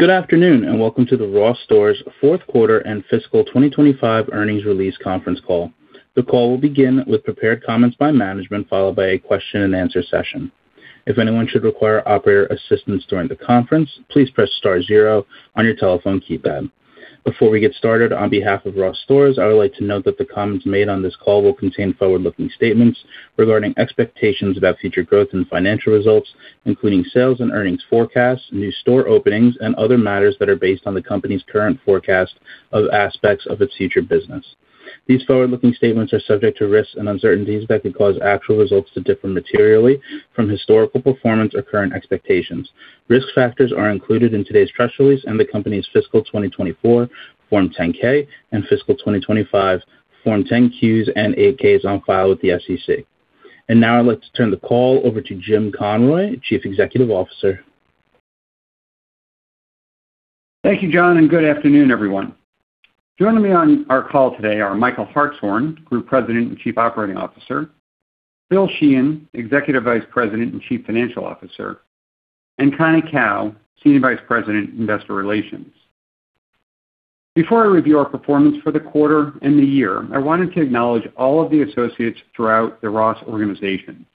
Good afternoon, welcome to the Ross Stores fourth quarter and fiscal 2025 earnings release conference call. The call will begin with prepared comments by management, followed by a Q&A session. If anyone should require operator assistance during the conference, please press star zero on your telephone keypad. Before we get started, on behalf of Ross Stores, I would like to note that the comments made on this call will contain forward-looking statements regarding expectations about future growth and financial results, including sales and earnings forecasts, new store openings, and other matters that are based on the company's current forecast of aspects of its future business. These forward-looking statements are subject to risks and uncertainties that could cause actual results to differ materially from historical performance or current expectations. Risk factors are included in today's press release and the company's fiscal 2024 Form 10-K and fiscal 2025 Form 10-Qs and 8-K is on file with the SEC. Now I'd like to turn the call over to Jim Conroy, Chief Executive Officer. Thank you, John, and good afternoon, everyone. Joining me on our call today are Michael Hartshorn, Group President and Chief Operating Officer, Bill Sheehan, Executive Vice President and Chief Financial Officer, and Connie Kao, Senior Vice President, Investor Relations. Before I review our performance for the quarter and the year, I wanted to acknowledge all of the associates throughout the Ross organization.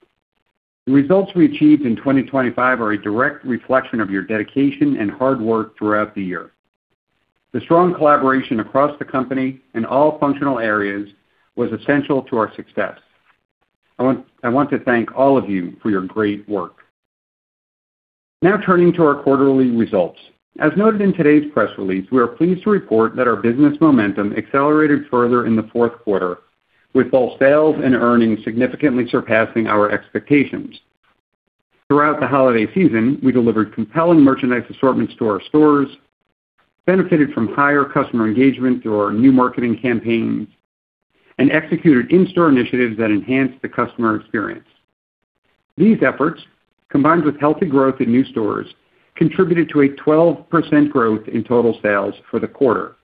The results we achieved in 2025 are a direct reflection of your dedication and hard work throughout the year. The strong collaboration across the company in all functional areas was essential to our success. I want to thank all of you for your great work. Turning to our quarterly results. As noted in today's press release, we are pleased to report that our business momentum accelerated further in the fourth quarter, with both sales and earnings significantly surpassing our expectations. Throughout the holiday season, we delivered compelling merchandise assortments to our stores, benefited from higher customer engagement through our new marketing campaigns, executed in-store initiatives that enhanced the customer experience. These efforts, combined with healthy growth in new stores, contributed to a 12% growth in total sales for the quarter.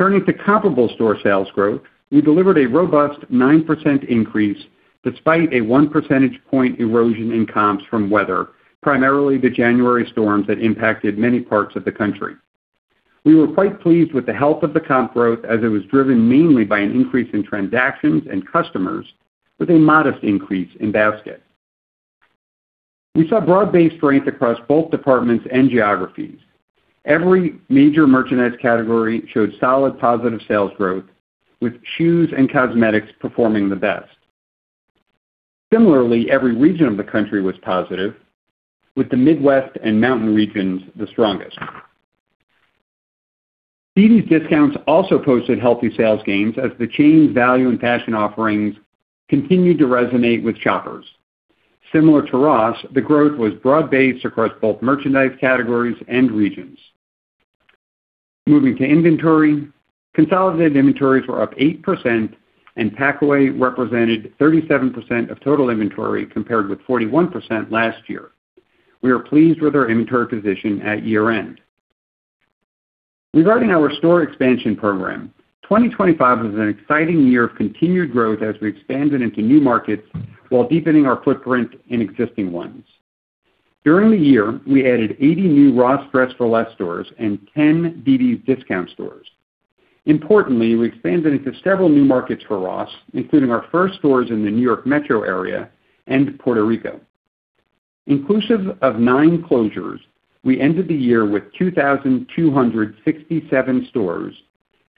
Turning to comparable store sales growth, we delivered a robust 9% increase despite a one percentage point erosion in comps from weather, primarily the January storms that impacted many parts of the country. We were quite pleased with the health of the comp growth as it was driven mainly by an increase in transactions and customers with a modest increase in basket. We saw broad-based strength across both departments and geographies. Every major merchandise category showed solid positive sales growth, with shoes and cosmetics performing the best. Similarly, every region of the country was positive, with the Midwest and Mountain regions the strongest. dd's DISCOUNTS also posted healthy sales gains as the chain's value and fashion offerings continued to resonate with shoppers. Similar to Ross, the growth was broad-based across both merchandise categories and regions. Moving to inventory, consolidated inventories were up 8% and packaway represented 37% of total inventory, compared with 41% last year. We are pleased with our inventory position at year-end. Regarding our store expansion program, 2025 was an exciting year of continued growth as we expanded into new markets while deepening our footprint in existing ones. During the year, we added 80 new Ross Dress for Less stores and 10 dd's DISCOUNTS stores. Importantly, we expanded into several new markets for Ross, including our first stores in the New York Metro area and Puerto Rico. Inclusive of nine closures, we ended the year with 2,267 stores,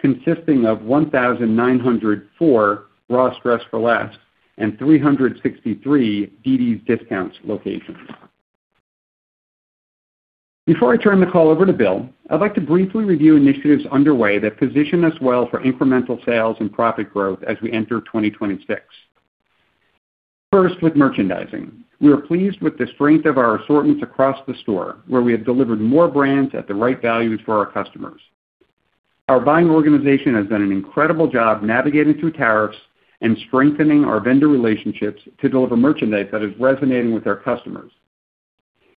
consisting of 1,904 Ross Dress for Less and 363 dd's DISCOUNTS locations. Before I turn the call over to Bill, I'd like to briefly review initiatives underway that position us well for incremental sales and profit growth as we enter 2026. First, with merchandising. We are pleased with the strength of our assortments across the store, where we have delivered more brands at the right values for our customers. Our buying organization has done an incredible job navigating through tariffs and strengthening our vendor relationships to deliver merchandise that is resonating with our customers.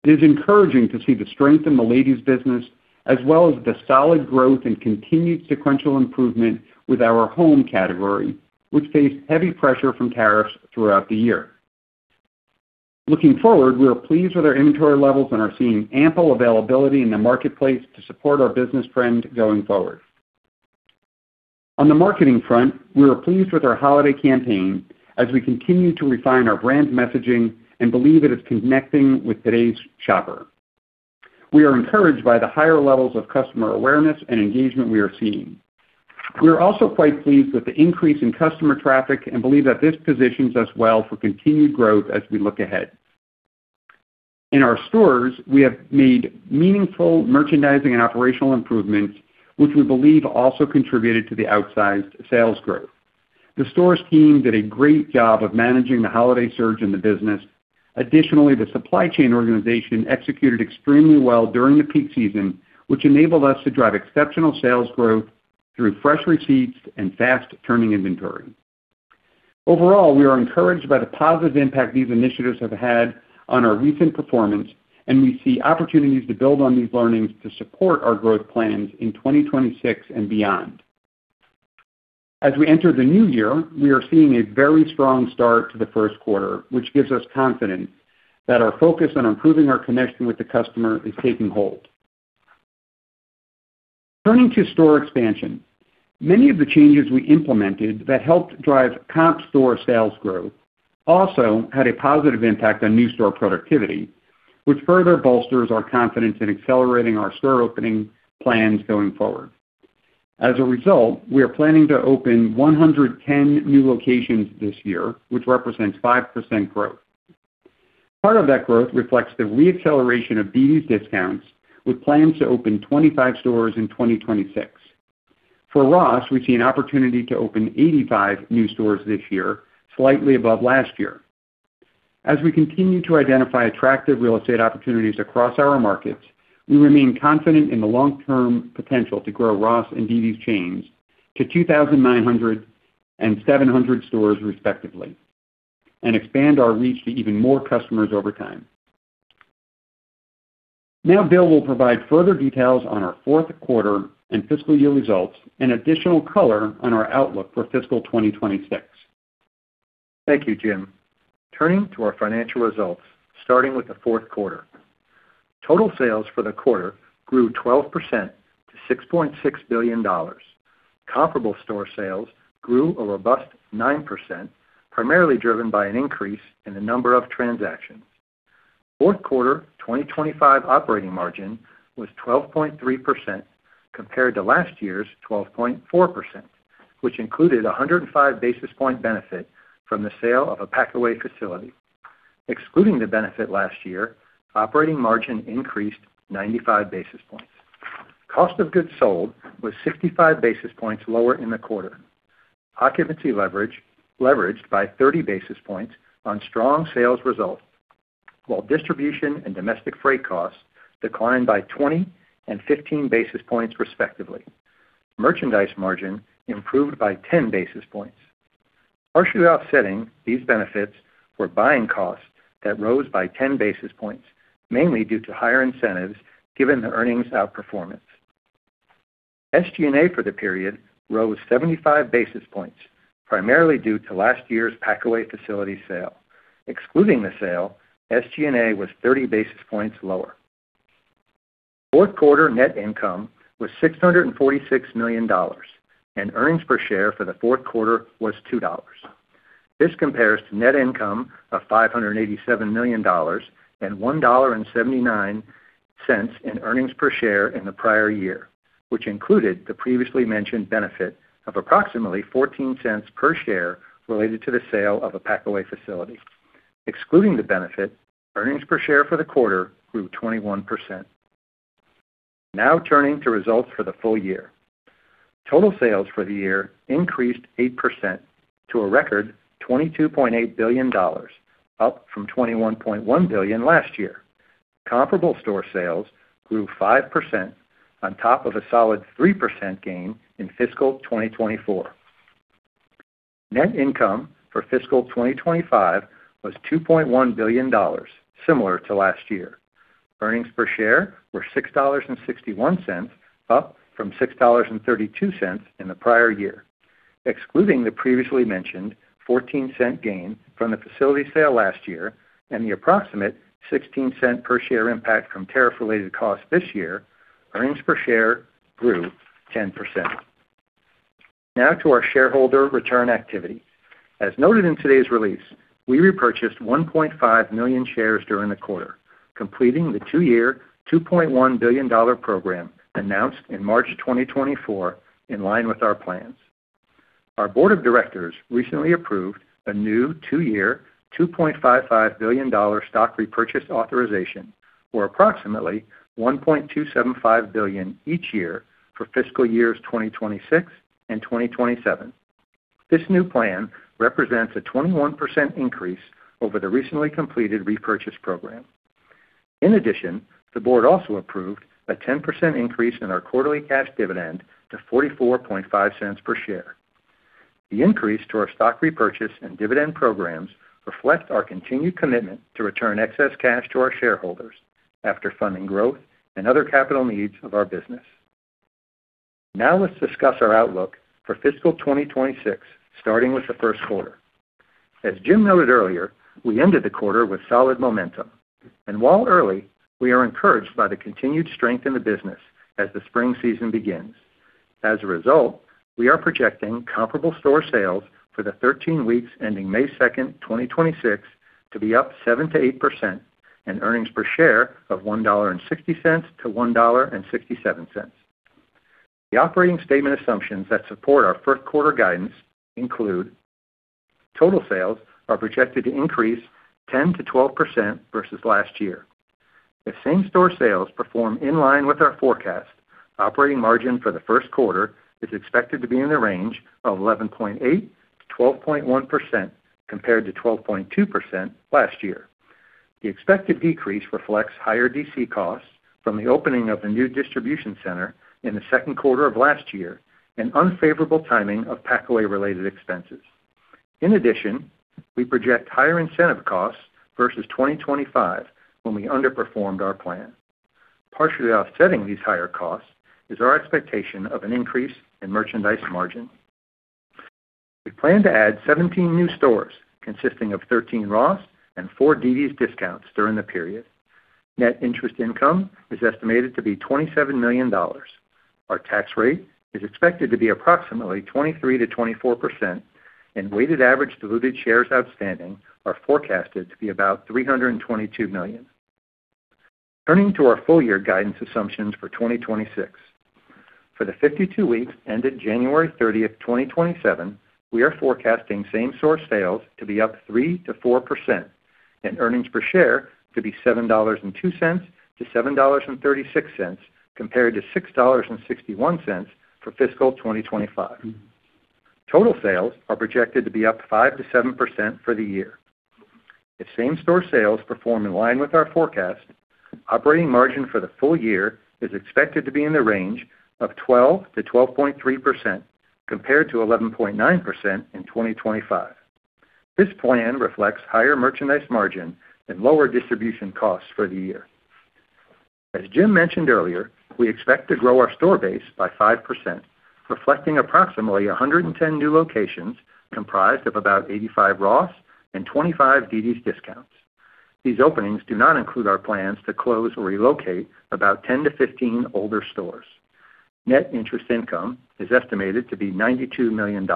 It is encouraging to see the strength in the ladies business, as well as the solid growth and continued sequential improvement with our home category, which faced heavy pressure from tariffs throughout the year. Looking forward, we are pleased with our inventory levels and are seeing ample availability in the marketplace to support our business trend going forward. On the marketing front, we are pleased with our holiday campaign as we continue to refine our brand messaging and believe that it's connecting with today's shopper. We are encouraged by the higher levels of customer awareness and engagement we are seeing. We are also quite pleased with the increase in customer traffic and believe that this positions us well for continued growth as we look ahead. In our stores, we have made meaningful merchandising and operational improvements, which we believe also contributed to the outsized sales growth. The stores team did a great job of managing the holiday surge in the business. Additionally, the supply chain organization executed extremely well during the peak season, which enabled us to drive exceptional sales growth through fresh receipts and fast turning inventory. Overall, we are encouraged by the positive impact these initiatives have had on our recent performance, and we see opportunities to build on these learnings to support our growth plans in 2026 and beyond. As we enter the new year, we are seeing a very strong start to the first quarter, which gives us confidence that our focus on improving our connection with the customer is taking hold. Turning to store expansion. Many of the changes we implemented that helped drive comp store sales growth also had a positive impact on new store productivity, which further bolsters our confidence in accelerating our store opening plans going forward. As a result, we are planning to open 110 new locations this year, which represents 5% growth. Part of that growth reflects the re-acceleration of dd's DISCOUNTS, with plans to open 25 stores in 2026. For Ross, we see an opportunity to open 85 new stores this year, slightly above last year. As we continue to identify attractive real estate opportunities across our markets, we remain confident in the long-term potential to grow Ross and dd's chains to 2,900 and 700 stores, respectively, and expand our reach to even more customers over time. Bill will provide further details on our fourth quarter and fiscal year results and additional color on our outlook for fiscal 2026. Thank you, Jim. Turning to our financial results, starting with the fourth quarter. Total sales for the quarter grew 12% to $6.6 billion. Comparable store sales grew a robust 9%, primarily driven by an increase in the number of transactions. Fourth quarter 2025 operating margin was 12.3% compared to last year's 12.4%, which included 105 basis point benefit from the sale of a packaway facility. Excluding the benefit last year, operating margin increased 95 basis points. Cost of goods sold was 65 basis points lower in the quarter. Occupancy leveraged by 30 basis points on strong sales results, while distribution and domestic freight costs declined by 20 and 15 basis points, respectively. Merchandise margin improved by 10 basis points. Partially offsetting these benefits were buying costs that rose by 10 basis points, mainly due to higher incentives given the earnings outperformance. SG&A for the period rose 75 basis points, primarily due to last year's packaway facility sale. Excluding the sale, SG&A was 30 basis points lower. Fourth quarter net income was $646 million, and earnings per share for the fourth quarter was $2. This compares to net income of $587 million and $1.79 in earnings per share in the prior year, which included the previously mentioned benefit of approximately $0.14 per share related to the sale of a packaway facility. Excluding the benefit, earnings per share for the quarter grew 21%. Now turning to results for the full year. Total sales for the year increased 8% to a record $22.8 billion, up from $21.1 billion last year. Comparable store sales grew 5% on top of a solid 3% gain in fiscal 2024. Net income for fiscal 2025 was $2.1 billion, similar to last year. Earnings per share were $6.61, up from $6.32 in the prior year. Excluding the previously mentioned $0.14 gain from the facility sale last year and the approximate $0.16 per share impact from tariff-related costs this year, earnings per share grew 10%. To our shareholder return activity. As noted in today's release, we repurchased 1.5 million shares during the quarter, completing the two-year, $2.1 billion program announced in March 2024, in line with our plans. Our board of directors recently approved a new two-year, $2.55 billion stock repurchase authorization, or approximately $1.275 billion each year for fiscal years 2026 and 2027. This new plan represents a 21% increase over the recently completed repurchase program. In addition, the board also approved a 10% increase in our quarterly cash dividend to $0.445 per share. The increase to our stock repurchase and dividend programs reflect our continued commitment to return excess cash to our shareholders after funding growth and other capital needs of our business. Now let's discuss our outlook for fiscal 2026, starting with the first quarter. As Jim noted earlier, we ended the quarter with solid momentum. While early, we are encouraged by the continued strength in the business as the spring season begins. As a result, we are projecting comparable store sales for the 13 weeks ending May 2, 2026 to be up 7%-8% and earnings per share of $1.60-$1.67. The operating statement assumptions that support our first quarter guidance include total sales are projected to increase 10%-12% versus last year. If same store sales perform in line with our forecast, operating margin for the first quarter is expected to be in the range of 11.8%-12.1% compared to 12.2% last year. The expected decrease reflects higher DC costs from the opening of the new distribution center in the second quarter of last year and unfavorable timing of packaway related expenses. In addition, we project higher incentive costs versus 2025 when we underperformed our plan. Partially offsetting these higher costs is our expectation of an increase in merchandise margin. We plan to add 17 new stores consisting of 13 Ross and four dd's DISCOUNTS during the period. Net interest income is estimated to be $27 million. Our tax rate is expected to be approximately 23%-24%, and weighted average diluted shares outstanding are forecasted to be about 322 million. Turning to our full year guidance assumptions for 2026. For the 52 weeks ended January thirtieth, 2027, we are forecasting same store sales to be up 3%-4% and earnings per share to be $7.02-$7.36, compared to $6.61 for fiscal 2025. Total sales are projected to be up 5%-7% for the year. If same store sales perform in line with our forecast, operating margin for the full year is expected to be in the range of 12%-12.3%, compared to 11.9% in 2025. This plan reflects higher merchandise margin and lower distribution costs for the year. As Jim mentioned earlier, we expect to grow our store base by 5%, reflecting approximately 110 new locations comprised of about 85 Ross and 25 dd's DISCOUNTS. These openings do not include our plans to close or relocate about 10-15 older stores. Net interest income is estimated to be $92 million.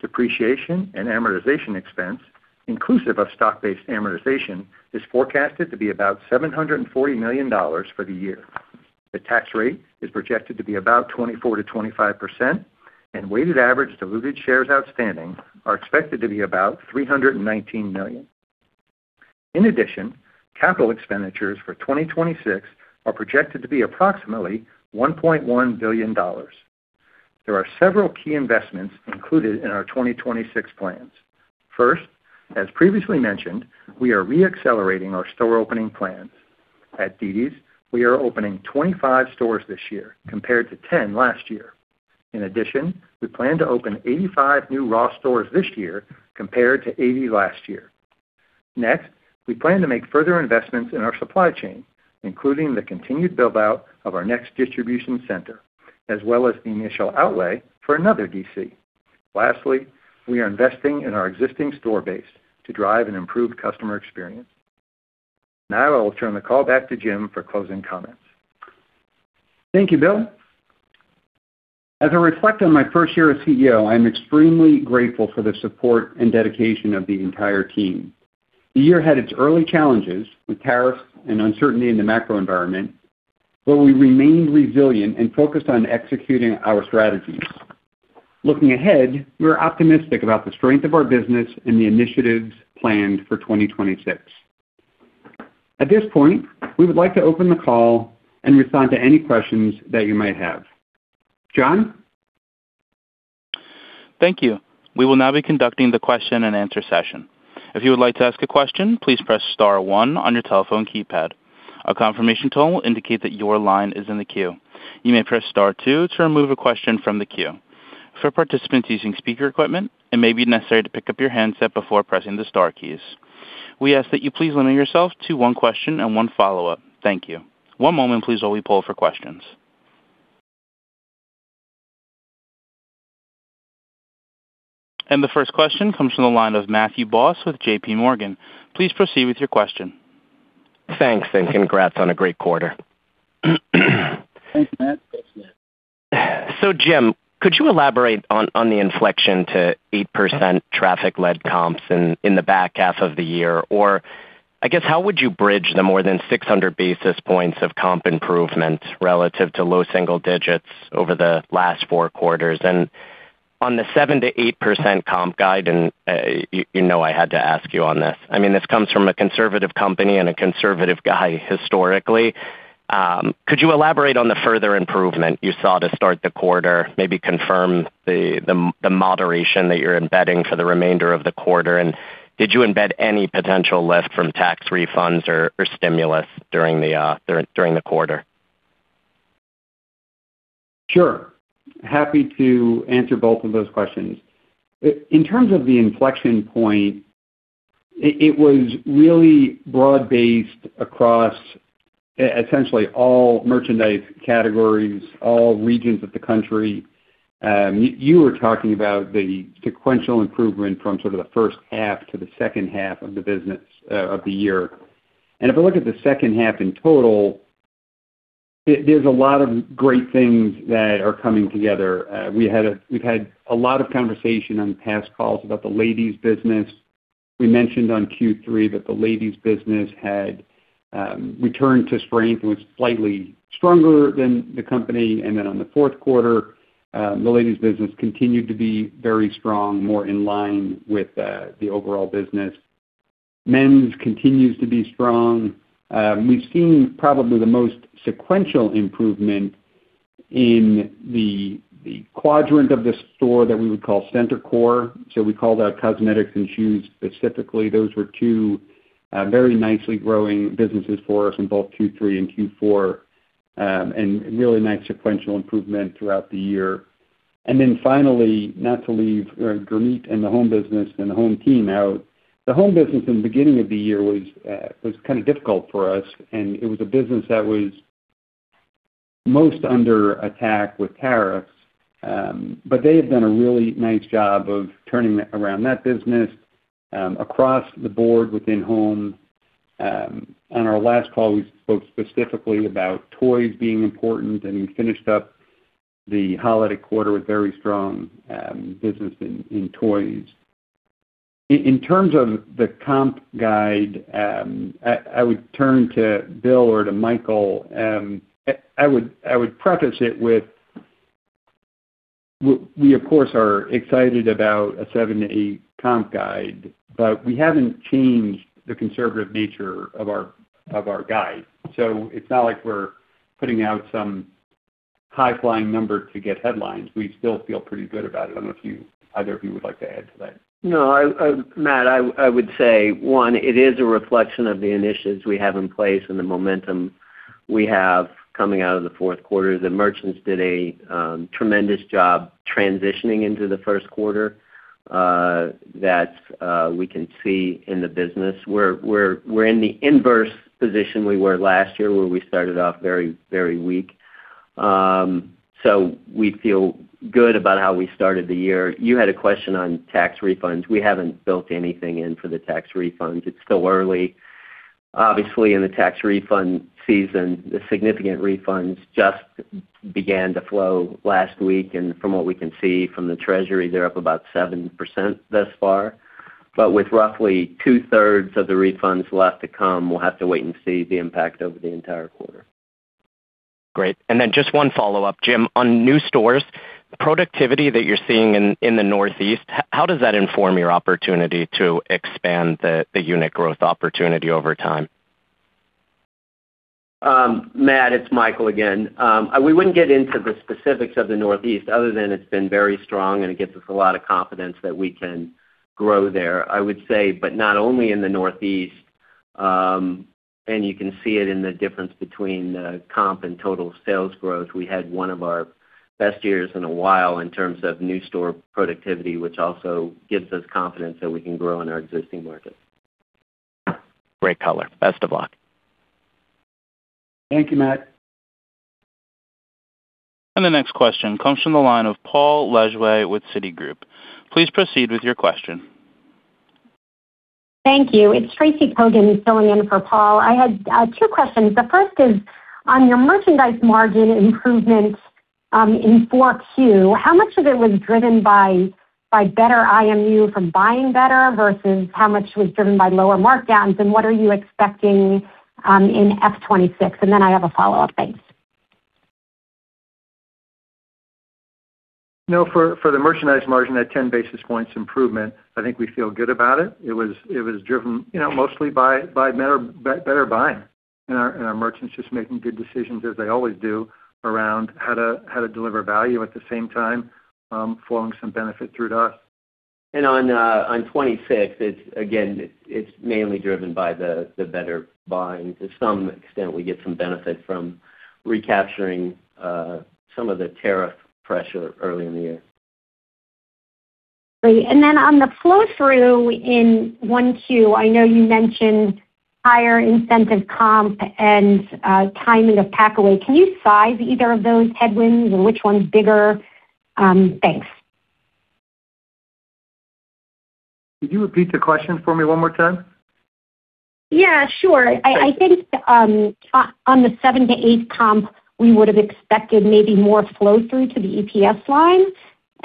Depreciation and amortization expense, inclusive of stock-based amortization, is forecasted to be about $740 million for the year. The tax rate is projected to be about 24%-25%, weighted average diluted shares outstanding are expected to be about 319 million. Capital expenditures for 2026 are projected to be approximately $1.1 billion. There are several key investments included in our 2026 plans. First, as previously mentioned, we are re-accelerating our store opening plans. At dd's, we are opening 25 stores this year compared to 10 last year. We plan to open 85 new Ross Stores this year compared to 80 last year. We plan to make further investments in our supply chain, including the continued build out of our next distribution center, as well as the initial outlay for another DC. We are investing in our existing store base to drive an improved customer experience. Now I will turn the call back to Jim for closing comments. Thank you, Bill. As I reflect on my first year as CEO, I am extremely grateful for the support and dedication of the entire team. The year had its early challenges with tariffs and uncertainty in the macro environment, but we remained resilient and focused on executing our strategies. Looking ahead, we're optimistic about the strength of our business and the initiatives planned for 2026. At this point, we would like to open the call and respond to any questions that you might have. John? Thank you. We will now be conducting the Q&A session. If you would like to ask a question, please press star one on your telephone keypad. A confirmation tone will indicate that your line is in the queue. You may press star two to remove a question from the queue. For participants using speaker equipment, it may be necessary to pick up your handset before pressing the star keys. We ask that you please limit yourself to one question and one follow-up. Thank you. One moment, please, while we poll for questions. The first question comes from the line of Matthew Boss with JPMorgan. Please proceed with your question. Thanks. Congrats on a great quarter. Thanks, Matt. Jim, could you elaborate on the inflection to 8% traffic led comps in the back half of the year? I guess, how would you bridge the more than 600 basis points of comp improvement relative to low single digits over the last four quarters? On the 7% to 8% comp guide, you know, I had to ask you on this, I mean, this comes from a conservative company and a conservative guy historically. Could you elaborate on the further improvement you saw to start the quarter? Maybe confirm the moderation that you're embedding for the remainder of the quarter, and did you embed any potential lift from tax refunds or stimulus during the quarter? Sure. Happy to answer both of those questions. In terms of the inflection point, it was really broad-based across essentially all merchandise categories, all regions of the country. You were talking about the sequential improvement from sort of the first half to the second half of the business of the year. If I look at the second half in total, there's a lot of great things that are coming together. We've had a lot of conversation on past calls about the ladies business. We mentioned on Q3 that the ladies business had returned to strength, was slightly stronger than the company. On the fourth quarter, the ladies business continued to be very strong, more in line with the overall business. Men's continues to be strong. We've seen probably the most sequential improvement in the quadrant of the store that we would call center core. We call that cosmetics and shoes specifically. Those were two very nicely growing businesses for us in both Q3 and Q4. Really nice sequential improvement throughout the year. Finally, not to leave Gurmeet and the home business and the home team out. The home business in the beginning of the year was kinda difficult for us, and it was a business that was most under attack with tariffs. They have done a really nice job of turning around that business across the board within home. On our last call, we spoke specifically about toys being important, we finished up the holiday quarter with very strong business in toys. In terms of the comp guide, I would turn to Bill or to Michael. But I would, I would preface it with we of course are excited about a 7%-8% comp guide, but we haven't changed the conservative nature of our guide. It's not like we're putting out some high-flying number to get headlines. We still feel pretty good about it. I don't know if you, either of you would like to add to that. No, Matt, I would say one, it is a reflection of the initiatives we have in place and the momentum we have coming out of the fourth quarter. The merchants did a tremendous job transitioning into the first quarter that we can see in the business. We're in the inverse position we were last year where we started off very, very weak. We feel good about how we started the year. You had a question on tax refunds. We haven't built anything in for the tax refunds. It's still early. Obviously, in the tax refund season, the significant refunds just began to flow last week. From what we can see from the treasury, they're up about 7% thus far. With roughly two-thirds of the refunds left to come, we'll have to wait and see the impact over the entire quarter. Great. Just one follow-up, Jim, on new stores, the productivity that you're seeing in the Northeast, how does that inform your opportunity to expand the unit growth opportunity over time? Matt, it's Michael again. We wouldn't get into the specifics of the Northeast other than it's been very strong and it gives us a lot of confidence that we can grow there. I would say, but not only in the Northeast, and you can see it in the difference between, comp and total sales growth. We had one of our best years in a while in terms of new store productivity, which also gives us confidence that we can grow in our existing market. Great color. Best of luck. Thank you, Matt. The next question comes from the line of Paul Lejuez with Citigroup. Please proceed with your question. Thank you. It's Tracy Kogan filling in for Paul. I had two questions. The first is on your merchandise margin improvement in Q4. How much of it was driven by better IMU from buying better versus how much was driven by lower markdowns? What are you expecting in FY 2026? I have a follow-up. Thanks. No, for the merchandise margin at 10 basis points improvement, I think we feel good about it. It was driven, you know, mostly by better buying and our merchants just making good decisions as they always do around how to deliver value at the same time, flowing some benefit through to us. On 2026, it's again, it's mainly driven by the better buying. To some extent, we get some benefit from recapturing some of the tariff pressure early in the year. Great. On the flow-through in Q1, I know you mentioned higher incentive comp and timing of packaway. Can you size either of those headwinds and which one's bigger? Thanks. Could you repeat the question for me one more time? Yeah, sure. Thanks. I think, on the 7%-8% comp, we would have expected maybe more flow through to the EPS line.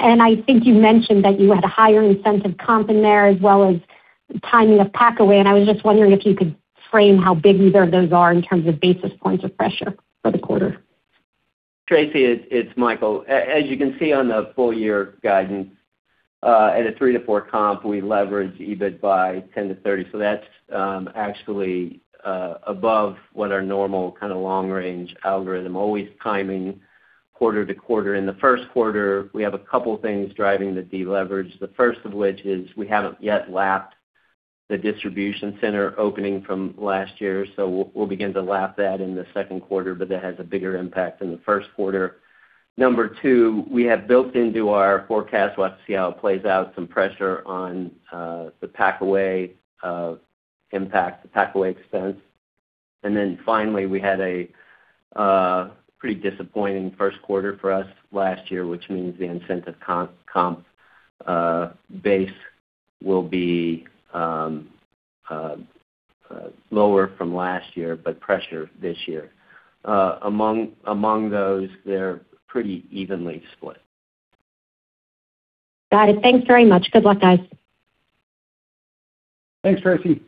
I think you mentioned that you had a higher incentive comp in there as well as timing of packaway. I was just wondering if you could frame how big either of those are in terms of basis points of pressure for the quarter. Tracy, it's Michael. As you can see on the full year guidance, at a 3%-4% comp, we leverage EBIT by 10% to 30%. That's actually above what our normal kind of long range algorithm, always timing quarter to quarter. In the first quarter, we have a couple things driving the deleverage. The first of which is we haven't yet lapped the distribution center opening from last year, so we'll begin to lap that in the second quarter, but that has a bigger impact in the first quarter. Number two, we have built into our forecast, we'll have to see how it plays out, some pressure on the packaway impact, the packaway expense. Finally, we had a pretty disappointing first quarter for us last year, which means the incentive comp base will be lower from last year, but pressure this year. Among those, they're pretty evenly split. Got it. Thanks very much. Good luck, guys. Thanks, Tracy.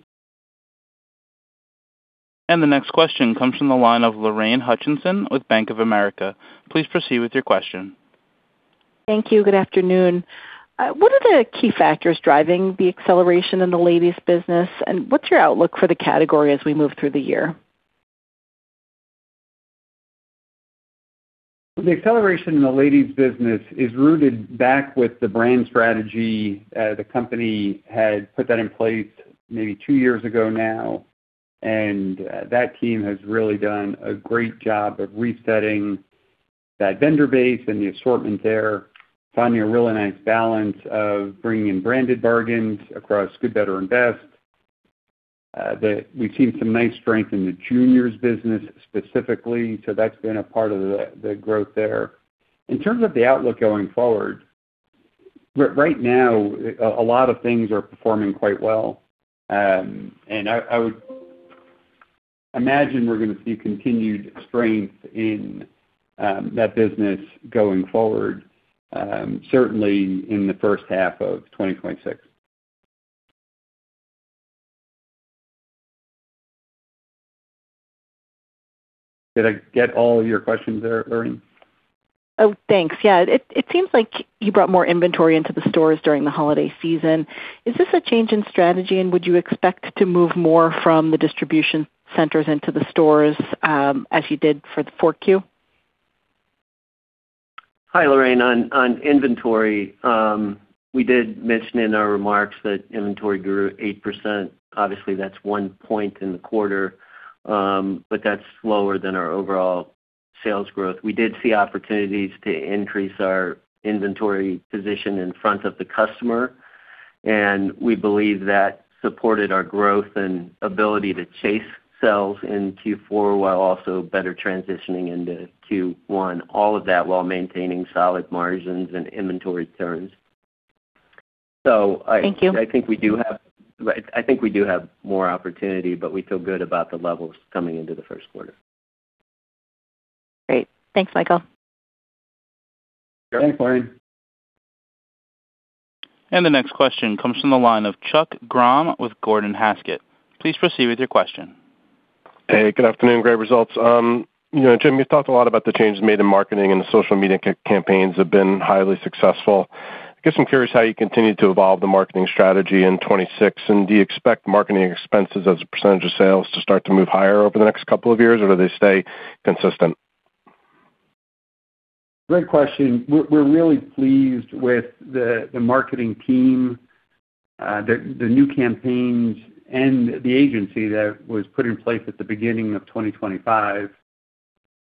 The next question comes from the line of Lorraine Hutchinson with Bank of America. Please proceed with your question. Thank you. Good afternoon. What are the key factors driving the acceleration in the ladies business, and what's your outlook for the category as we move through the year? The acceleration in the ladies business is rooted back with the brand strategy. The company had put that in place maybe two years ago now, and that team has really done a great job of resetting that vendor base and the assortment there, finding a really nice balance of bringing in branded bargains across good, better and best. We've seen some nice strength in the juniors business specifically, so that's been a part of the growth there. In terms of the outlook going forward, right now, a lot of things are performing quite well. I would imagine we're gonna see continued strength in that business going forward, certainly in the first half of 2026. Did I get all of your questions there, Lorraine? Thanks. Yeah. It seems like you brought more inventory into the stores during the holiday season. Is this a change in strategy, and would you expect to move more from the distribution centers into the stores as you did for the Q4? Hi, Lorraine. On inventory, we did mention in our remarks that inventory grew 8%. Obviously, that's 1 point in the quarter, but that's lower than our overall sales growth. We did see opportunities to increase our inventory position in front of the customer, and we believe that supported our growth and ability to chase sales in Q4 while also better transitioning into Q1, all of that while maintaining solid margins and inventory turns. Thank you. I think we do have more opportunity, but we feel good about the levels coming into the first quarter. Great. Thanks, Michael. Thanks, Lorraine. The next question comes from the line of Chuck Grom with Gordon Haskett. Please proceed with your question. Hey, good afternoon. Great results. you know, Jim, you talked a lot about the changes made in marketing, and the social media campaigns have been highly successful. I guess I'm curious how you continue to evolve the marketing strategy in 2026. Do you expect marketing expenses as a % of sales to start to move higher over the next couple of years, or do they stay consistent? Great question. We're really pleased with the marketing team, the new campaigns and the agency that was put in place at the beginning of 2025.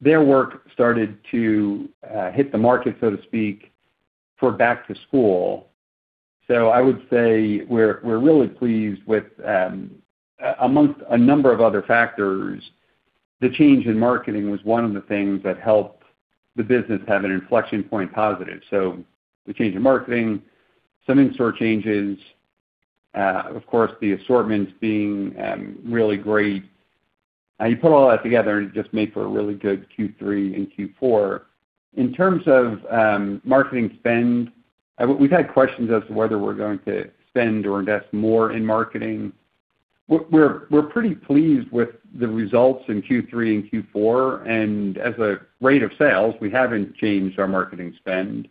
Their work started to hit the market, so to speak, for back to school. I would say we're really pleased with amongst a number of other factors, the change in marketing was one of the things that helped the business have an inflection point positive. The change in marketing, some in-store changes, of course, the assortments being really great. You put all that together, and it just made for a really good Q3 and Q4. In terms of marketing spend, we've had questions as to whether we're going to spend or invest more in marketing. We're, we're pretty pleased with the results in Q3 and Q4. As a rate of sales, we haven't changed our marketing spend.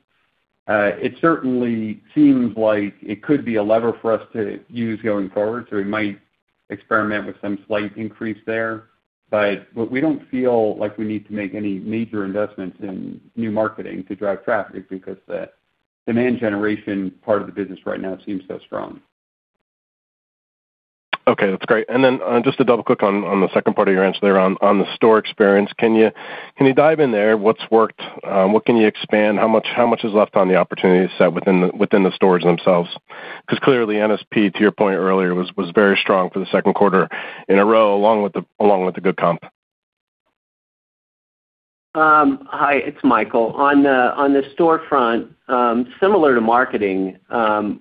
It certainly seems like it could be a lever for us to use going forward. We might experiment with some slight increase there. What we don't feel like we need to make any major investments in new marketing to drive traffic because the demand generation part of the business right now seems so strong. Okay, that's great. Just to double-click on the second part of your answer there on the store experience. Can you dive in there? What's worked? What can you expand? How much is left on the opportunity set within the stores themselves? Because clearly, NSP, to your point earlier, was very strong for the second quarter in a row, along with the good comp. Hi, it's Michael. On the storefront, similar to marketing,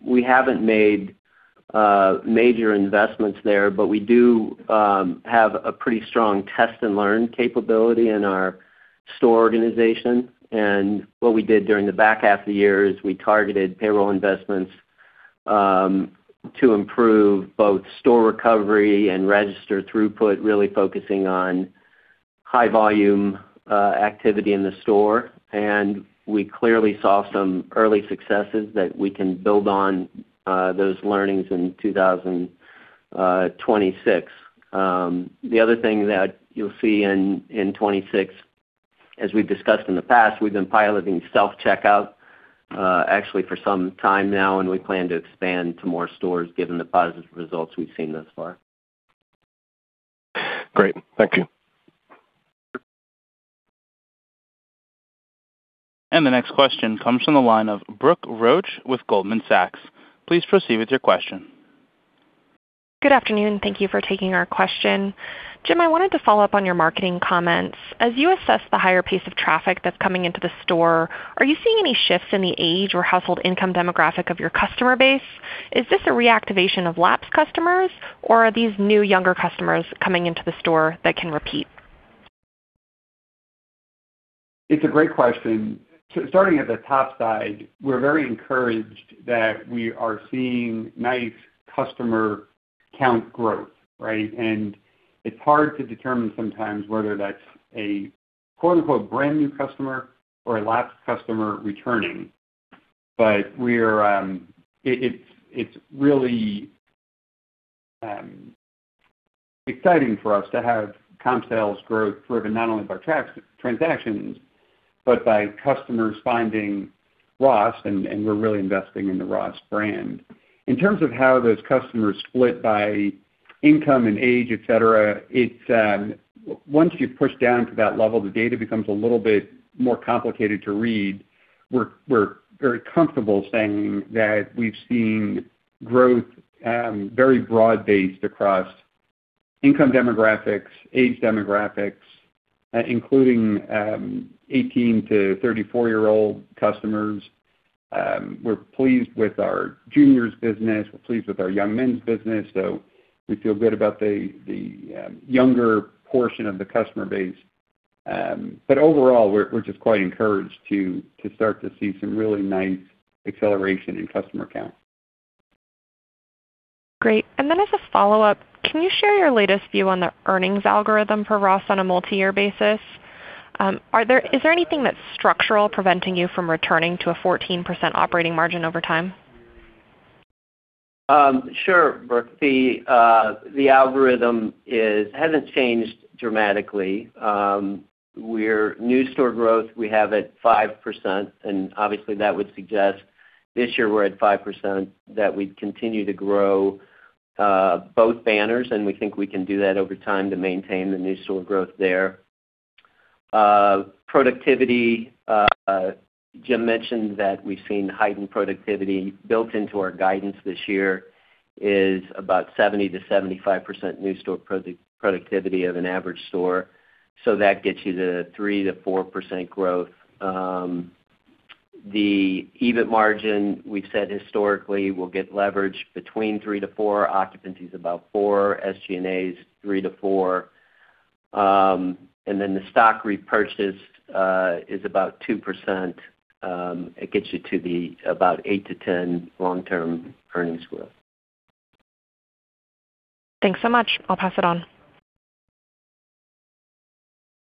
we haven't made major investments there, but we do have a pretty strong test and learn capability in our store organization. What we did during the back half of the year is we targeted payroll investments to improve both store recovery and register throughput, really focusing on high volume activity in the store. We clearly saw some early successes that we can build on those learnings in 2026. The other thing that you'll see in 2026, as we've discussed in the past, we've been piloting self-checkout actually for some time now, and we plan to expand to more stores given the positive results we've seen thus far. Great. Thank you. The next question comes from the line of Brooke Roach with Goldman Sachs. Please proceed with your question. Good afternoon. Thank you for taking our question. Jim, I wanted to follow up on your marketing comments. As you assess the higher pace of traffic that's coming into the store, are you seeing any shifts in the age or household income demographic of your customer base? Is this a reactivation of lapsed customers, or are these new younger customers coming into the store that can repeat? It's a great question. Starting at the top side, we're very encouraged that we are seeing nice customer count growth, right? It's hard to determine sometimes whether that's a quote, unquote, "brand new customer" or a lapsed customer returning. It's really exciting for us to have comp sales growth driven not only by transactions, but by customers finding Ross, and we're really investing in the Ross brand. In terms of how those customers split by income and age, et cetera. It's. Once you push down to that level, the data becomes a little bit more complicated to read. We're very comfortable saying that we've seen growth, very broad-based across income demographics, age demographics, including 18 to 34-year-old customers. We're pleased with our juniors business. We're pleased with our young men's business. We feel good about the younger portion of the customer base. Overall, we're just quite encouraged to start to see some really nice acceleration in customer count. Great. As a follow-up, can you share your latest view on the earnings algorithm for Ross on a multi-year basis? Is there anything that's structural preventing you from returning to a 14% operating margin over time? Sure, Brooke. The algorithm hasn't changed dramatically. New store growth, we have at 5%, obviously that would suggest this year we're at 5%, that we'd continue to grow both banners, and we think we can do that over time to maintain the new store growth there. Productivity, Jim mentioned that we've seen heightened productivity. Built into our guidance this year is about 70%-75% new store productivity of an average store. That gets you to 3%-4% growth. The EBIT margin, we've said historically, will get leverage between 3%-4%. Occupancy is about 4%. SG&A is 3%-4%. The stock repurchase is about 2%. It gets you to the about 8%-10% long-term earnings growth. Thanks so much. I'll pass it on.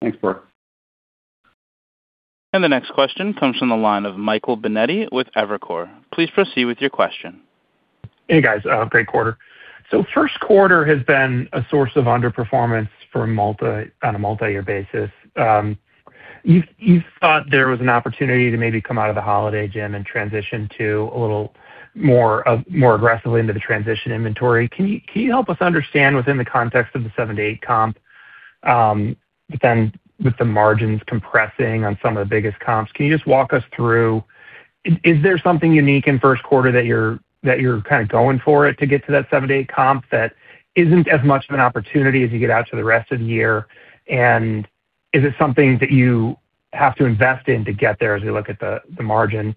Thanks, Brooke. The next question comes from the line of Michael Binetti with Evercore. Please proceed with your question. Hey, guys. Great quarter. First quarter has been a source of underperformance on a multi-year basis. You thought there was an opportunity to maybe come out of the holiday, Jim, and transition a little more aggressively into the transition inventory. Can you help us understand within the context of the 7%-8% comp, with the margins compressing on some of the biggest comps, can you just walk us through? Is there something unique in first quarter that you're kinda going for it to get to that 7%-8% comp that isn't as much of an opportunity as you get out to the rest of the year? Is it something that you have to invest in to get there as we look at the margin?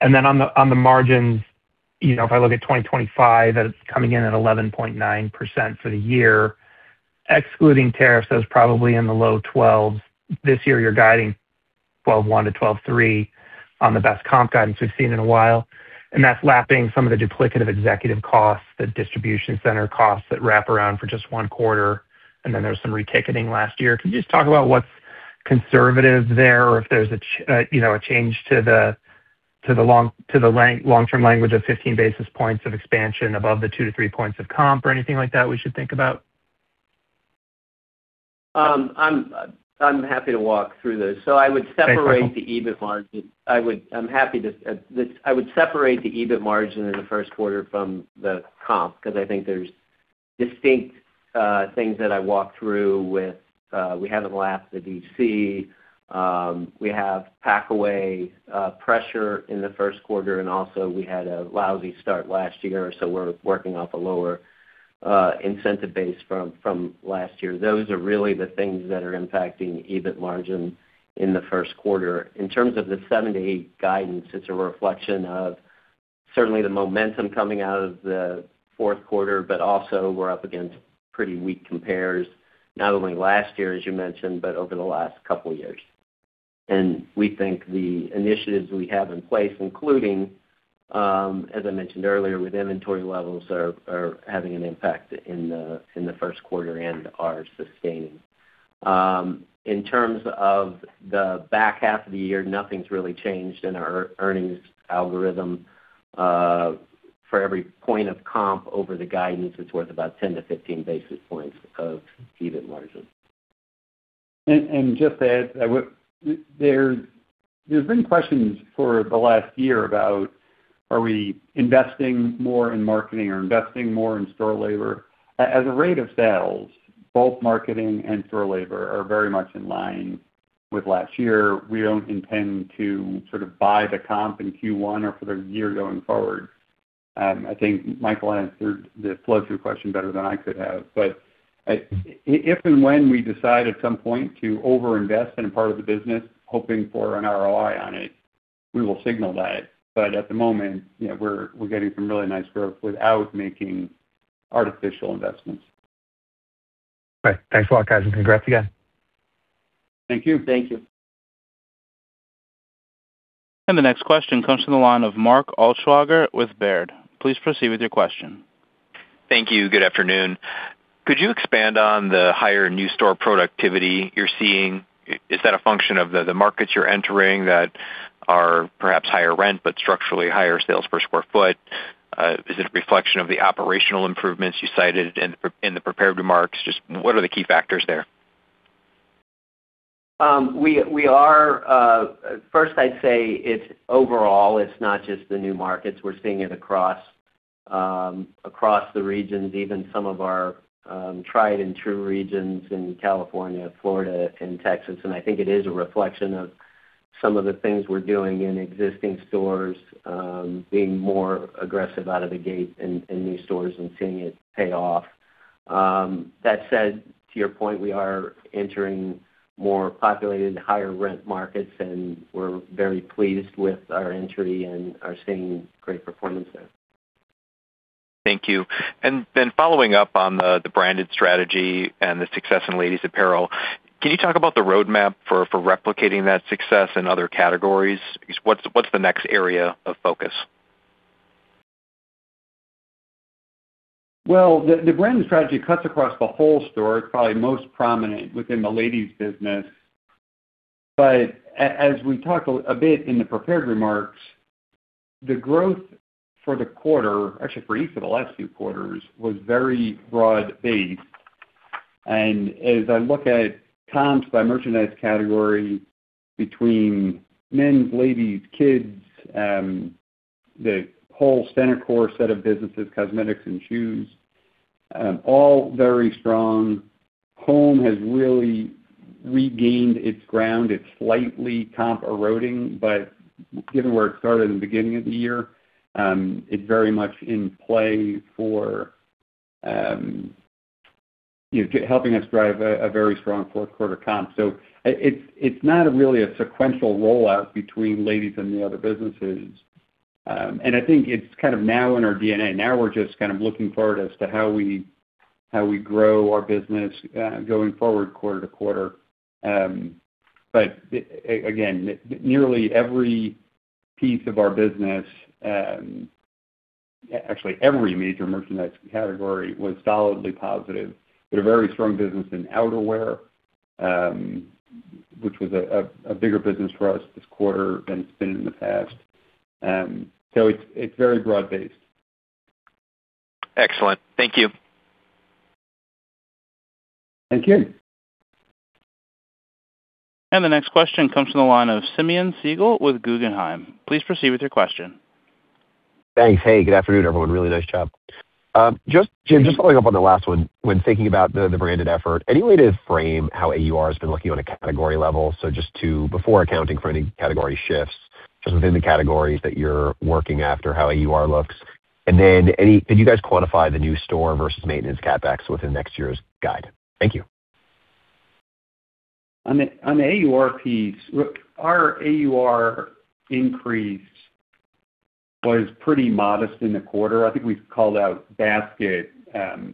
On the, on the margins, you know, if I look at 2025, that it's coming in at 11.9% for the year, excluding tariffs, that's probably in the low 12s. This year you're guiding 12.1% to 12.3% on the best comp guidance we've seen in a while, and that's lapping some of the duplicative executive costs, the distribution center costs that wrap around for just 1 quarter, and then there was some reticketing last year. Can you just talk about what's conservative there or if there's, you know, a change to the, to the long, to the long-term language of 15 basis points of expansion above the 2 to 3 points of comp or anything like that we should think about? I'm happy to walk through this. Thanks, Michael. I would separate the EBIT margin. I'm happy to. this, I would separate the EBIT margin in the first quarter from the comp because I think there's distinct things that I walked through with, we haven't lapped the DC. We have packaway pressure in the first quarter, and also we had a lousy start last year, we're working off a lower incentive base from last year. Those are really the things that are impacting EBIT margin in the first quarter. In terms of the seven to eight guidance, it's a reflection of certainly the momentum coming out of the fourth quarter, but also we're up against pretty weak compares, not only last year, as you mentioned, but over the last couple years. We think the initiatives we have in place, including, as I mentioned earlier, with inventory levels, are having an impact in the first quarter and are sustaining. In terms of the back half of the year, nothing's really changed in our earnings algorithm. For every point of comp over the guidance, it's worth about 10 to 15 basis points of EBIT margin. Just to add to that, there's been questions for the last year about are we investing more in marketing or investing more in store labor. As a rate of sales, both marketing and store labor are very much in line with last year. We don't intend to sort of buy the comp in Q1 or for the year going forward. I think Michael answered the flow-through question better than I could have. If and when we decide at some point to overinvest in a part of the business, hoping for an ROI on it, we will signal that. At the moment, you know, we're getting some really nice growth without making artificial investments. Okay. Thanks a lot, guys. Congrats again. Thank you. Thank you. The next question comes from the line of Mark Altschwager with Baird. Please proceed with your question. Thank you. Good afternoon. Could you expand on the higher new store productivity you're seeing? Is that a function of the markets you're entering that are perhaps higher rent but structurally higher sales per square foot? Is it a reflection of the operational improvements you cited in the prepared remarks? Just what are the key factors there? We are, first, I'd say it's overall, it's not just the new markets. We're seeing it across the regions, even some of our tried and true regions in California, Florida, and Texas. I think it is a reflection of some of the things we're doing in existing stores, being more aggressive out of the gate in new stores and seeing it pay off. That said, to your point, we are entering more populated, higher rent markets, and we're very pleased with our entry and are seeing great performance there. Thank you. Following up on the branded strategy and the success in ladies apparel, can you talk about the roadmap for replicating that success in other categories? What's the next area of focus? Well, the branded strategy cuts across the whole store. It's probably most prominent within the ladies business. As we talked a bit in the prepared remarks, the growth for the quarter, actually for each of the last few quarters, was very broad-based. As I look at comps by merchandise category between men's, ladies, kids, the whole center core set of businesses, cosmetics and shoes, all very strong. Home has really regained its ground. It's slightly comp eroding, but given where it started in the beginning of the year, it's very much in play for, you know, helping us drive a very strong fourth quarter comp. It's not really a sequential rollout between ladies and the other businesses. I think it's kind of now in our DNA. We're just kind of looking forward as to how we, how we grow our business going forward quarter to quarter. Again, nearly every piece of our business, actually every major merchandise category was solidly positive. We had a very strong business in outerwear, which was a bigger business for us this quarter than it's been in the past. It's very broad-based. Excellent. Thank you. Thank you. The next question comes from the line of Simeon Siegel with Guggenheim. Please proceed with your question. Thanks. Hey, good afternoon, everyone. Really nice job. Jim, just following up on the last one. When thinking about the branded effort, any way to frame how AUR has been looking on a category level? Before accounting for any category shifts, just within the categories that you're working after, how AUR looks. Did you guys quantify the new store versus maintenance CapEx within next year's guide? Thank you. On the AUR piece, look, our AUR increase was pretty modest in the quarter. I think we called out basket,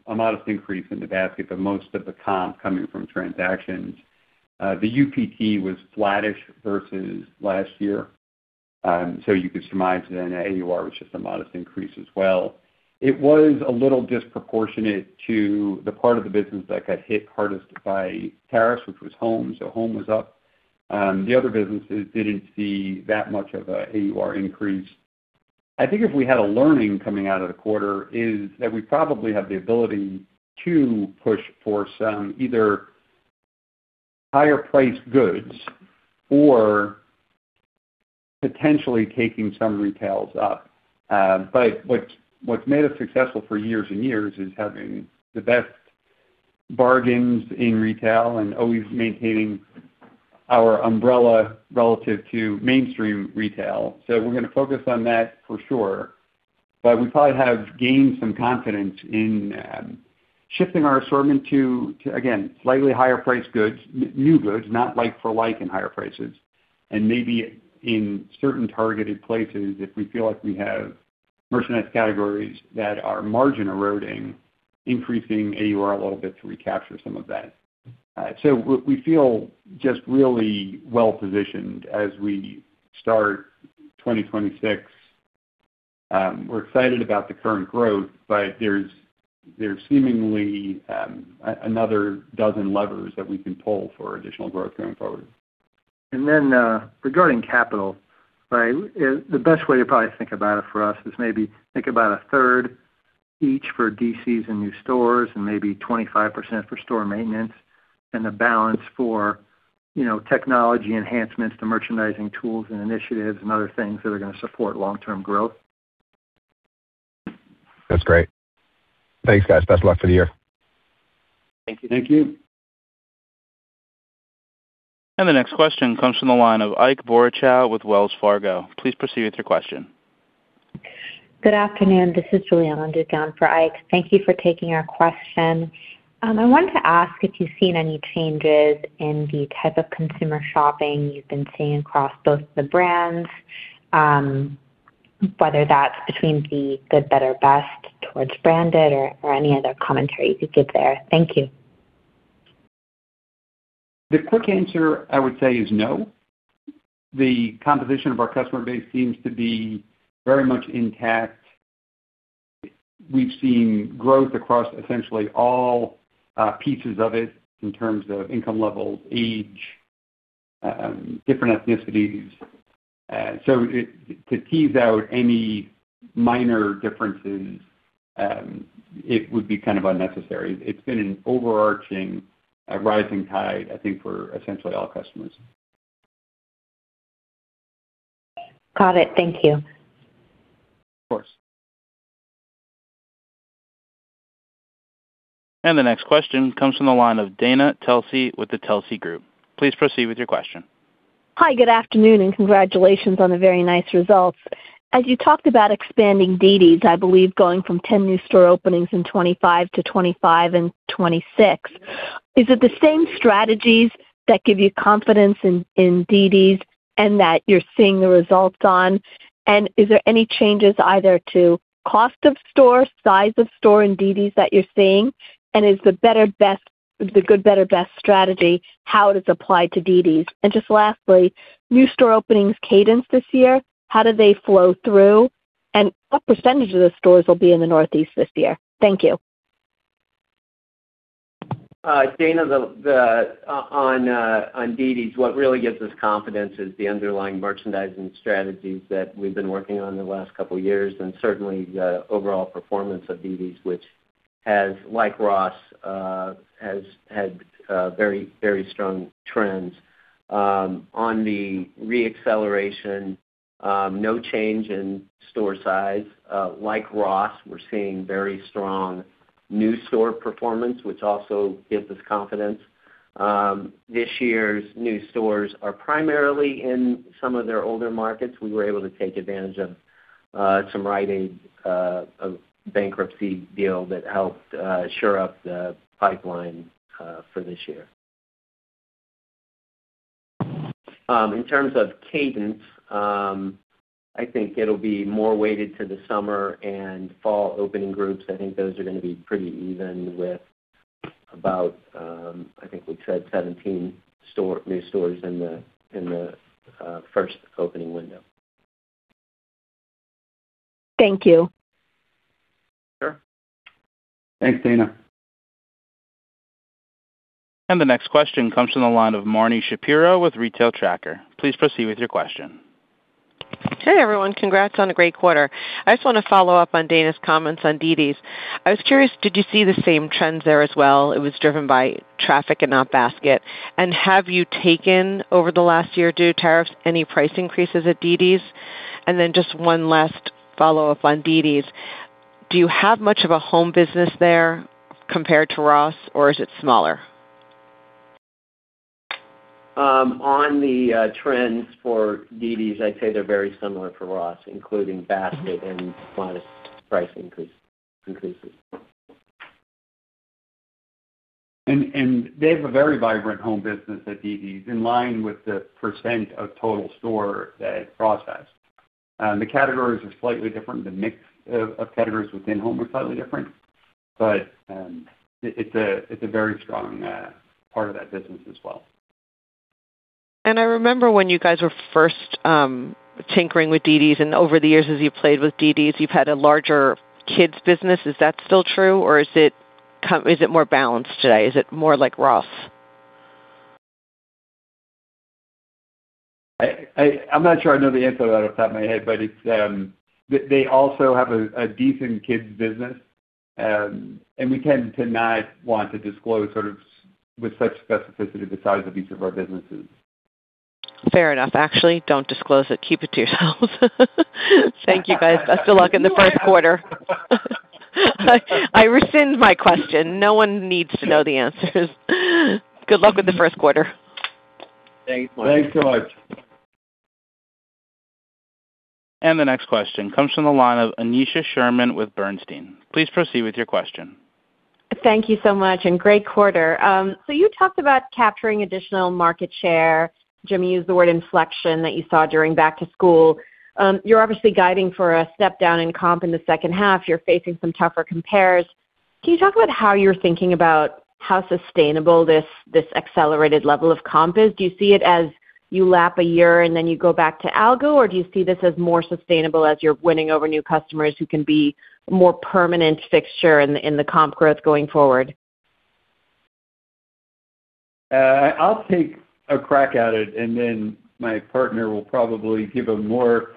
a modest increase in the basket, most of the comp coming from transactions. The UPT was flattish versus last year. You could surmise AUR was just a modest increase as well. It was a little disproportionate to the part of the business that got hit hardest by tariffs, which was home. Home was up. The other businesses didn't see that much of a AUR increase. I think if we had a learning coming out of the quarter, is that we probably have the ability to push for some either higher priced goods or potentially taking some retails up. What's made us successful for years and years is having the best bargains in retail and always maintaining our umbrella relative to mainstream retail. We're gonna focus on that for sure. We probably have gained some confidence in shifting our assortment to again, slightly higher priced goods, new goods, not like for like in higher prices. Maybe in certain targeted places, if we feel like we have merchandise categories that are margin eroding, increasing AUR a little bit to recapture some of that. We feel just really well-positioned as we start 2026. We're excited about the current growth, but there's seemingly another dozen levers that we can pull for additional growth going forward. Regarding capital, right? The best way to probably think about it for us is maybe think about a third each for DCs and new stores and maybe 25% for store maintenance and the balance for, you know, technology enhancements to merchandising tools and initiatives and other things that are gonna support long-term growth. That's great. Thanks, guys. Best of luck for the year. Thank you. The next question comes from the line of Ike Boruchow with Wells Fargo. Please proceed with your question. Good afternoon. This is Juliana Duque on for Ike. Thank you for taking our question. I wanted to ask if you've seen any changes in the type of consumer shopping you've been seeing across both the brands, whether that's between the good, better, best towards branded or any other commentary you could give there. Thank you. The quick answer I would say is no. The composition of our customer base seems to be very much intact. We've seen growth across essentially all pieces of it in terms of income levels, age, different ethnicities. To tease out any minor differences, it would be kind of unnecessary. It's been an overarching, a rising tide, I think, for essentially all customers. Got it. Thank you. Of course. The next question comes from the line of Dana Telsey with Telsey Advisory Group. Please proceed with your question. Hi, good afternoon, and congratulations on the very nice results. As you talked about expanding dd's, I believe, going from 10 new store openings in 2025 to 25 and 2026, is it the same strategies that give you confidence in dd's and that you're seeing the results on? Is there any changes either to cost of store, size of store in dd's that you're seeing? Is the good, better, best strategy, how it is applied to dd's? Just lastly, new store openings cadence this year, how do they flow through? What percentage of the stores will be in the Northeast this year? Thank you. Dana, on dd's, what really gives us confidence is the underlying merchandising strategies that we've been working on the last couple years, and certainly the overall performance of dd's, which has, like Ross, had very strong trends. On the re-acceleration, no change in store size. Like Ross, we're seeing very strong new store performance, which also gives us confidence. This year's new stores are primarily in some of their older markets. We were able to take advantage of some Rite Aid, a bankruptcy deal that helped sure up the pipeline for this year. In terms of cadence, I think it'll be more weighted to the summer and fall opening groups. I think those are gonna be pretty even with about, I think we said 17 store, new stores in the, in the, first opening window. Thank you. Sure. Thanks, Dana. The next question comes from the line of Marni Shapiro with The Retail Tracker. Please proceed with your question. Hey, everyone. Congrats on a great quarter. I just wanna follow up on Dana's comments on dd's. I was curious, did you see the same trends there as well? It was driven by traffic and not basket. Have you taken over the last year due to tariffs, any price increases at dd's? Just one last follow-up on dd's. Do you have much of a home business there compared to Ross, or is it smaller? On the trends for dd's, I'd say they're very similar for Ross, including basket and minus price increases. They have a very vibrant home business at dd's, in line with the percent of total store that Ross has. The categories are slightly different. The mix of categories within home are slightly different, but, it's a very strong part of that business as well. I remember when you guys were first tinkering with dd's, and over the years, as you played with dd's, you've had a larger kids business. Is that still true, or is it more balanced today? Is it more like Ross? I'm not sure I know the answer to that off the top of my head, but it's, they also have a decent kids business. We tend to not want to disclose sort of with such specificity the size of each of our businesses. Fair enough. Actually, don't disclose it. Keep it to yourselves. Thank you, guys. Best of luck in the first quarter. I rescind my question. No one needs to know the answers. Good luck with the first quarter. Thanks, Marni. Thanks so much. The next question comes from the line of Aneesha Sherman with Bernstein. Please proceed with your question. Thank you so much, and great quarter. You talked about capturing additional market share. Jimmy used the word inflection that you saw during back to school. You're obviously guiding for a step down in comp in the second half. You're facing some tougher compares. Can you talk about how you're thinking about how sustainable this accelerated level of comp is? Do you see it as you lap a year and then you go back to algo, or do you see this as more sustainable as you're winning over new customers who can be more permanent fixture in the comp growth going forward? I'll take a crack at it, and then my partner will probably give a more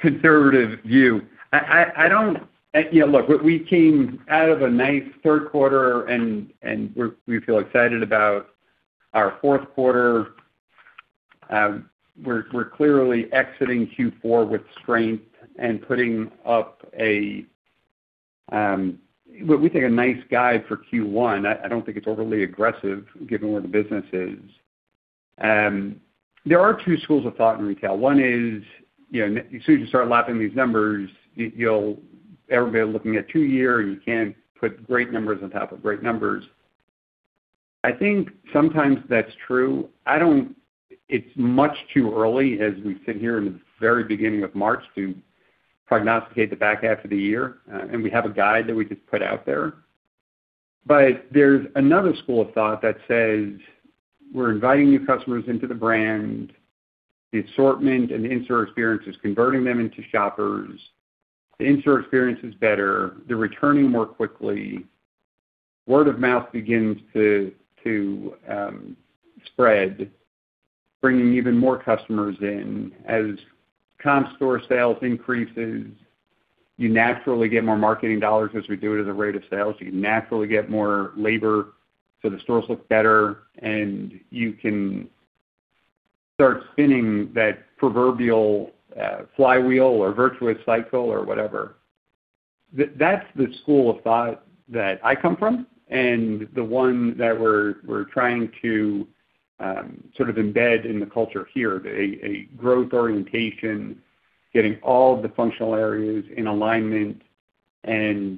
conservative view. I don't. You know, look, we came out of a nice third quarter and we feel excited about our fourth quarter. We're clearly exiting Q4 with strength and putting up what we think a nice guide for Q1. I don't think it's overly aggressive given where the business is. There are two schools of thought in retail. One is, you know, as soon as you start lapping these numbers, you'll everybody looking at two-year, you can't put great numbers on top of great numbers. I think sometimes that's true. I don't. It's much too early as we sit here in the very beginning of March to prognosticate the back half of the year, and we have a guide that we just put out there. There's another school of thought that says, we're inviting new customers into the brand, the assortment and the in-store experience is converting them into shoppers. The in-store experience is better. They're returning more quickly. Word of mouth begins to spread, bringing even more customers in. As comp store sales increases, you naturally get more marketing dollars as we do it as a rate of sales. You naturally get more labor, so the stores look better, and you can start spinning that proverbial flywheel or virtuous cycle or whatever. That's the school of thought that I come from and the one that we're trying to sort of embed in the culture here. A growth orientation, getting all of the functional areas in alignment. When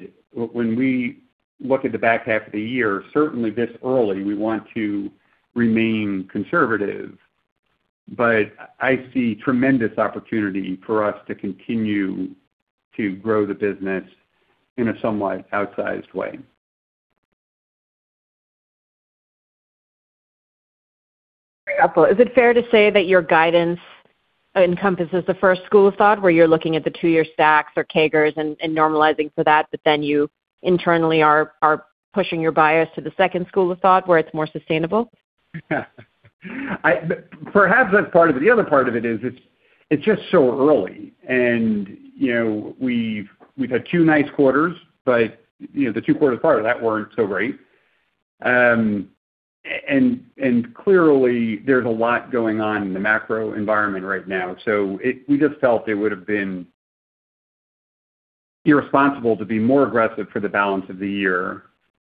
we look at the back half of the year, certainly this early, we want to remain conservative. I see tremendous opportunity for us to continue to grow the business in a somewhat outsized way. Is it fair to say that your guidance encompasses the first school of thought, where you're looking at the two-year stacks or CAGRs and normalizing for that, but then you internally are pushing your bias to the second school of thought where it's more sustainable? Perhaps that's part of it. The other part of it is it's just so early and, you know, we've had two nice quarters, but, you know, the two quarters prior to that weren't so great. And clearly there's a lot going on in the macro environment right now. We just felt it would've been irresponsible to be more aggressive for the balance of the year.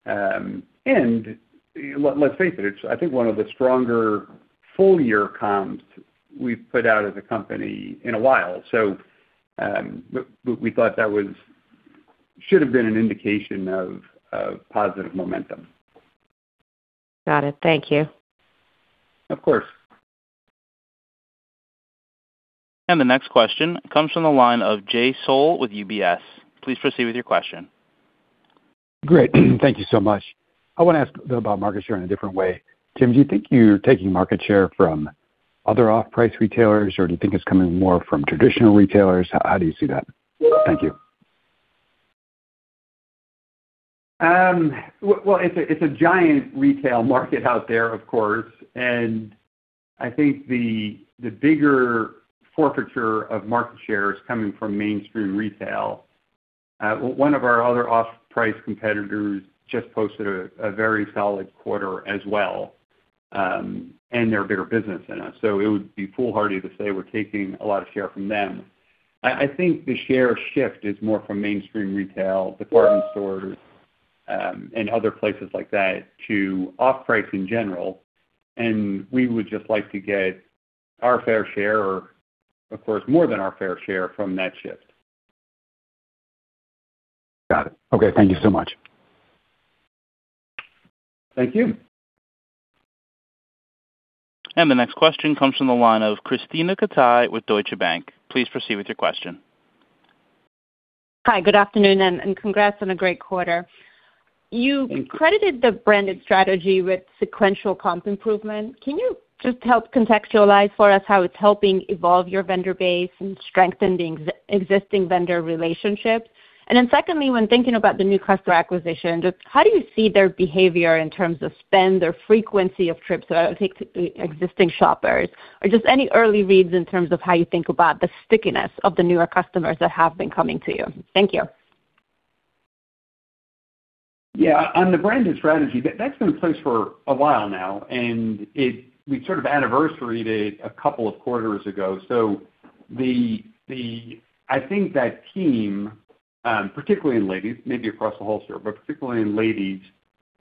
And let's face it's I think one of the stronger full year comps we've put out as a company in a while. We thought that was should have been an indication of positive momentum. Got it. Thank you. Of course. The next question comes from the line of Jay Sole with UBS. Please proceed with your question. Great. Thank you so much. I wanna ask about market share in a different way. Jim, do you think you're taking market share from other off-price retailers, or do you think it's coming more from traditional retailers? How do you see that? Thank you. Well, it's a giant retail market out there, of course. I think the bigger forfeiture of market share is coming from mainstream retail. One of our other off-price competitors just posted a very solid quarter as well. They're a bigger business than us, so it would be foolhardy to say we're taking a lot of share from them. I think the share shift is more from mainstream retail, department stores, and other places like that to off-price in general. We would just like to get our fair share or of course, more than our fair share from that shift. Got it. Okay, thank you so much. Thank you. The next question comes from the line of Krisztina Katai with Deutsche Bank. Please proceed with your question. Hi, good afternoon, and congrats on a great quarter. You credited the branded strategy with sequential comp improvement. Can you just help contextualize for us how it's helping evolve your vendor base and strengthen the existing vendor relationships? Secondly, when thinking about the new customer acquisition, just how do you see their behavior in terms of spend or frequency of trips that I would take to existing shoppers? Just any early reads in terms of how you think about the stickiness of the newer customers that have been coming to you. Thank you. On the branded strategy, that's been in place for a while now, and we sort of anniversaried it a couple of quarters ago. I think that team, particularly in ladies, maybe across the whole store, but particularly in ladies,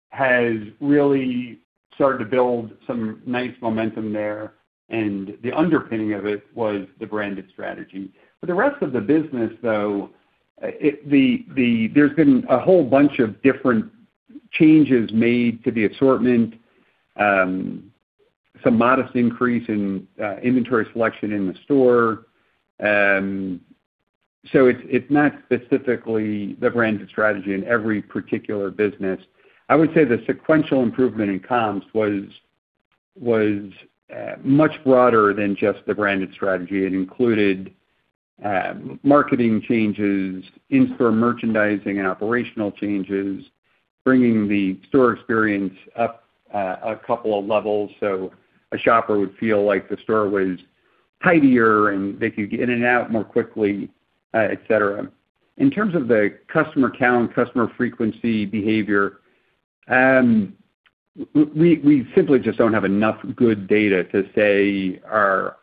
has really started to build some nice momentum there, and the underpinning of it was the branded strategy. For the rest of the business, though, there's been a whole bunch of different changes made to the assortment. Some modest increase in inventory selection in the store. It's not specifically the branded strategy in every particular business. I would say the sequential improvement in comps was much broader than just the branded strategy. It included marketing changes, in-store merchandising and operational changes, bringing the store experience up a couple of levels. A shopper would feel like the store was tidier and they could get in and out more quickly, et cetera. In terms of the customer count, customer frequency behavior, we simply just don't have enough good data to say are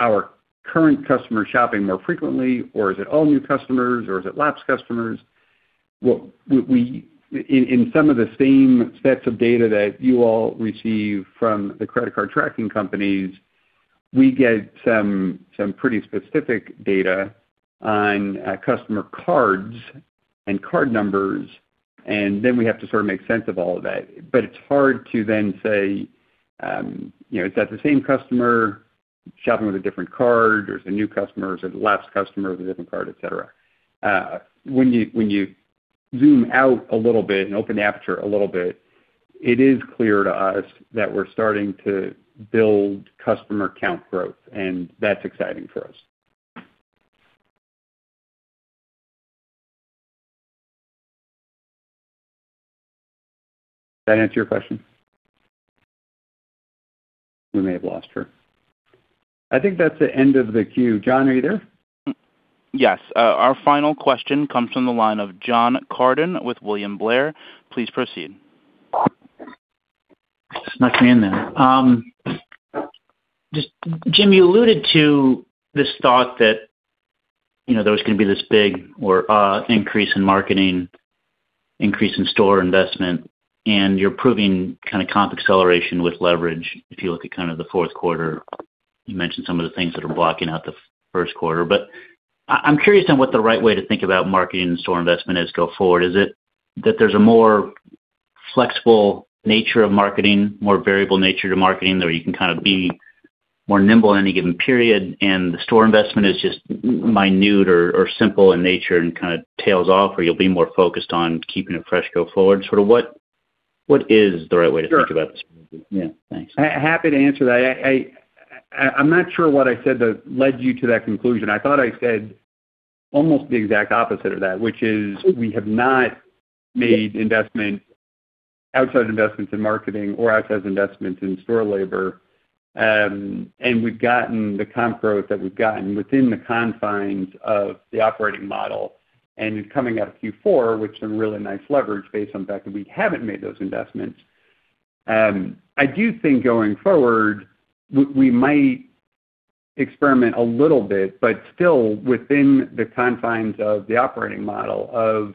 our current customers shopping more frequently, or is it all new customers, or is it lapsed customers. In some of the same sets of data that you all receive from the credit card tracking companies, we get some pretty specific data on customer cards and card numbers, and then we have to sort of make sense of all of that. It's hard to then say, you know, is that the same customer shopping with a different card or is the new customer is the last customer with a different card, et cetera. When you, when you zoom out a little bit and open the aperture a little bit, it is clear to us that we're starting to build customer count growth. That's exciting for us. Did I answer your question? We may have lost her. I think that's the end of the queue. John, are you there? Our final question comes from the line of John Carden with William Blair. Please proceed. Snuck me in there. Jim, you alluded to this thought that, you know, there was gonna be this big increase in marketing, increase in store investment, and you're proving kinda comp acceleration with leverage if you look at kinda the fourth quarter. You mentioned some of the things that are blocking out the first quarter, but I'm curious on what the right way to think about marketing and store investment is go forward. Is it that there's a more flexible nature of marketing, more variable nature to marketing where you can kind of be more nimble in any given period, and the store investment is just minute or simple in nature and kinda tails off or you'll be more focused on keeping it fresh go forward? Sort of what is the right way to think about this? Yeah, thanks. Happy to answer that. I'm not sure what I said that led you to that conclusion. I thought I said almost the exact opposite of that, which is we have not made outside investments in marketing or outside investments in store labor, and we've gotten the comp growth that we've gotten within the confines of the operating model. Coming out of Q4 with some really nice leverage based on the fact that we haven't made those investments. I do think going forward, we might experiment a little bit, but still within the confines of the operating model of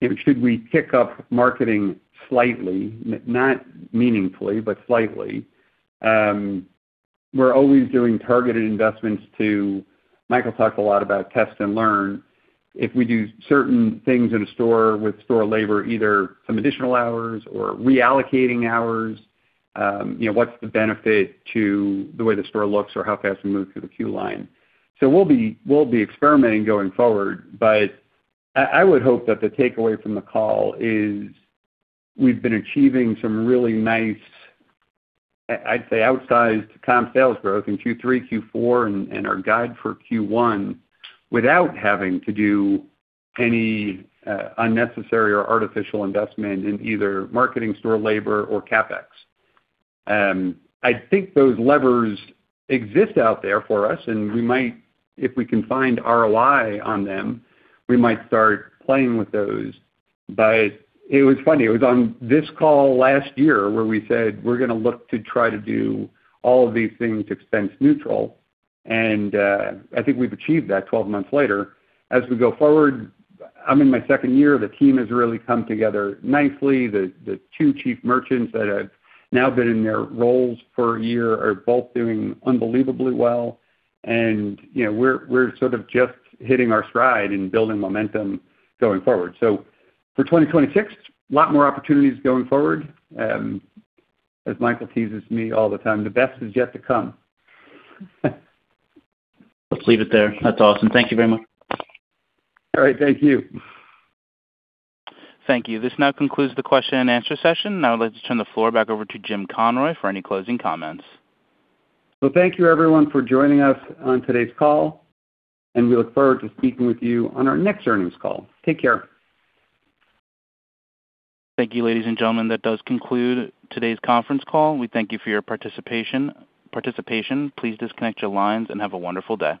if should we kick up marketing slightly, not meaningfully, but slightly. We're always doing targeted investments. Michael talks a lot about test and learn. If we do certain things in a store with store labor, either some additional hours or reallocating hours, you know, what's the benefit to the way the store looks or how fast we move through the queue line. We'll be experimenting going forward, but I would hope that the takeaway from the call is we've been achieving some really nice, I'd say, outsized comp sales growth in Q3, Q4, and our guide for Q1 without having to do any unnecessary or artificial investment in either marketing, store labor or CapEx. I think those levers exist out there for us, and we might if we can find ROI on them, we might start playing with those. It was funny, it was on this call last year where we said we're gonna look to try to do all of these things expense neutral, and, I think we've achieved that 12 months later. As we go forward, I'm in my second year. The team has really come together nicely. The two chief merchants that have now been in their roles for a year are both doing unbelievably well. you know, we're sort of just hitting our stride and building momentum going forward. For 2026, a lot more opportunities going forward. as Michael teases me all the time, the best is yet to come. Let's leave it there. That's awesome. Thank you very much. All right. Thank you. Thank you. This now concludes the Q&A session. Let's turn the floor back over to Jim Conroy for any closing comments. Well, thank you everyone for joining us on today's call, and we look forward to speaking with you on our next earnings call. Take care. Thank you, ladies and gentlemen. That does conclude today's conference call. We thank you for your participation. Please disconnect your lines and have a wonderful day.